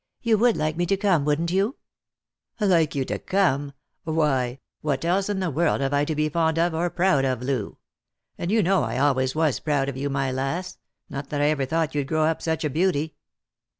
" You would like me to come, wouldn't you ?"" Like you to come ! Why, what else in the world have I to 350 Lost for Love. be fond of or proud of, Loo? And you know I always was proud of you, my lass ; not that I ever thought you'd grow up such a beauty."